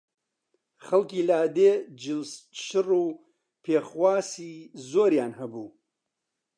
خەڵکی لادێ جلشڕ و پێخواسی زۆریان هەبوو